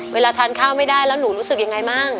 เวลาทานข้าวไม่ได้แล้วหนูรู้สึกยังไงบ้าง